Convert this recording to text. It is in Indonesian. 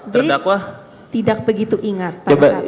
jadi tidak begitu ingat pada saat tersebut